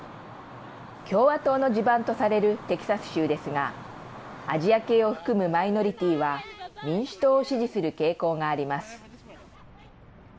共和党の地盤とされるテキサス州ですがアジア系を含むマイノリティーは民主党を支持する傾向があります。